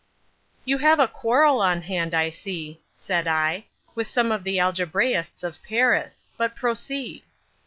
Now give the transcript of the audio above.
"You have a quarrel on hand, I see," said I, "with some of the algebraists of Paris; but proceed."